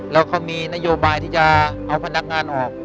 แล้วเขามีนโยบายที่จะเอาพนักงานออก